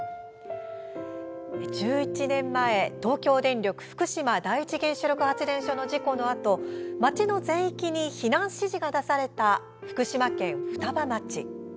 １１年前東京電力福島第一原子力発電所の事故のあと町の全域に避難指示が出された福島県双葉町。